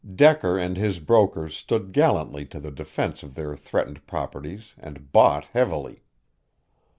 Decker and his brokers stood gallantly to the defense of their threatened properties and bought heavily.